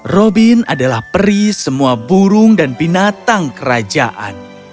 robin adalah peri semua burung dan binatang kerajaan